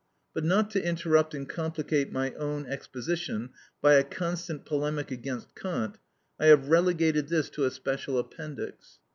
But not to interrupt and complicate my own exposition by a constant polemic against Kant, I have relegated this to a special appendix.